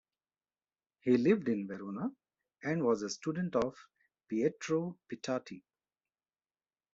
He lived in Verona and was a student of Pietro Pitati.